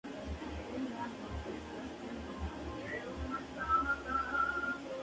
Primer Conde de Premio Real.